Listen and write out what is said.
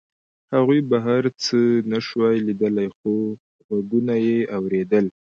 هغوی بهر څه نشوای لیدلی خو غږونه یې اورېدل